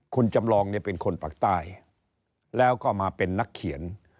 คุณจำลองเนี่ยเป็นคนปากใต้แล้วก็มาเป็นนักเขียน